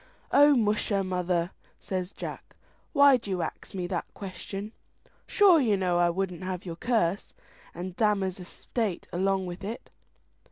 "O musha, mother," says Jack, "why do you ax me that question? sure you know I wouldn't have your curse and Damer's estate along with it."